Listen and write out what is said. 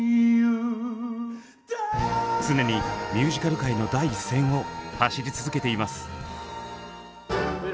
常にミュージカル界の第一線を走り続けています。